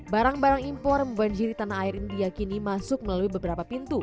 barang barang impor membanjiri tanah air ini diakini masuk melalui beberapa pintu